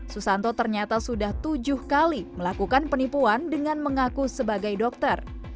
susanto ternyata sudah tujuh kali melakukan penipuan dengan mengaku sebagai dokter